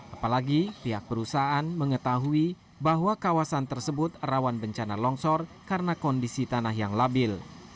apalagi pihak perusahaan mengetahui bahwa kawasan tersebut rawan bencana longsor karena kondisi tanah yang labil